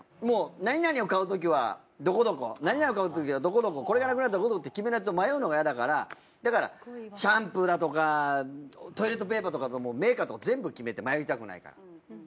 もう何々を買うときはどこどこ何々を買うときはどこどここれがなくなったらって決めないと迷うのが嫌だからだからシャンプーだとかトイレットペーパーとかメーカーとか全部決めて迷いたくないから。